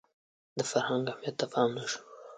د فرهنګ اهمیت ته پام نه شو